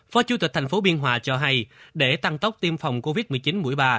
phó chủ tịch thành phố biên hòa cho hay để tăng tốc tiêm phòng covid một mươi chín mũi ba